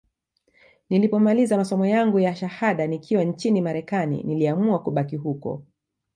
Nilipomaliza masomo yangu ya shahada nikiwa nchini Marekani niliamua kubaki huko